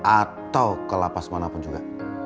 atau ke lapas manapun juga